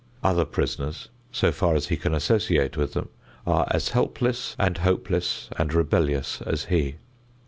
Other prisoners, so far as he can associate with them, are as helpless and hopeless and rebellious as he.